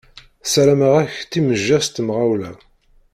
Sarameɣ-ak timejja s temɣawla.